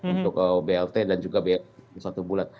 untuk blt dan juga blt satu bulan